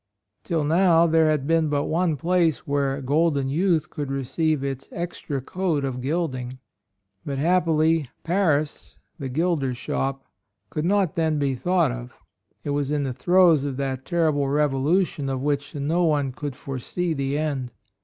Till now there had been but one place where "golden youth" could receive its extra coat of gilding ; but, happily, Paris, the gilder's shop, could not AND MOTHER. 45 then be thought of, — it was in the throes of that terrible revolution of which no one could foresee the end.